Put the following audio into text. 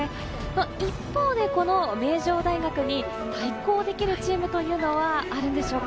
一方で名城大学に対抗できるチームというのはあるんでしょうか？